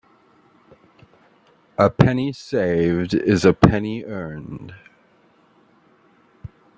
A penny saved is a penny earned.